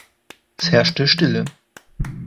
Es herrschte Stille.